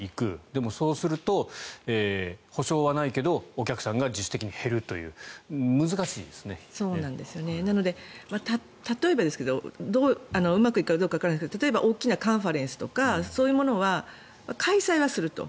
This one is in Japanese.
でも、そうすると補償はないけどお客さんが自主的に減るというなので例えばですがうまくいくかどうかわかりませんが例えば大きなカンファレンスとかそういうものは開催はすると。